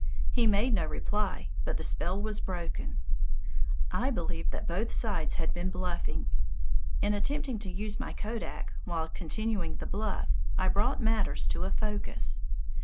He made no reply, but the spell was broken. I believe that both sides had been bluffing. In attempting to use my kodak while continuing the bluff, I brought matters to a focus.